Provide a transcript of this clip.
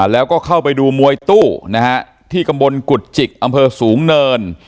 แล้วก็เข้าไปดูมวยตู้นะฮะที่ตำบลกุฎจิกอำเภอสูงเนิน